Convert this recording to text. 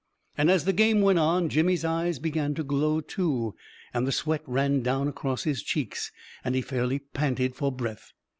And as the game went on, Jimmy's eyes be gan to glow, too, and the sweat ran down across his cheeks, and he fairly panted for breath.